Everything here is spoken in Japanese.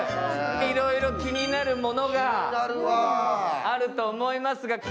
いろいろ気になるものがあると思いますが。